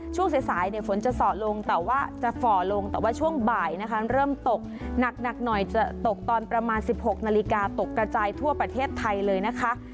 ช่วงสายฝนจะส่อลงแต่ว่าจะฝ่อลงแต่ว่าช่วงบ่ายนะคะเริ่มตกหนักหน่อยจะตกตอนประมาณ๑๖นาฬิกาตกกระจายทั่วประเทศไทยเลยนะคะ